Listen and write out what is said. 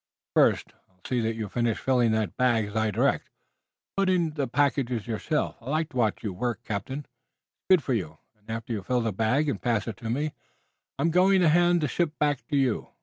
"First, I'll see that you finish filling that bag as I direct. Put in the packages yourself. I like to watch you work, captain, it's good for you, and after you fill the bag and pass it to me I'm going to hand the ship back to you.